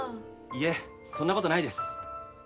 いえそんなことないです。